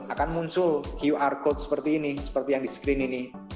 akan muncul qr code seperti yang di screen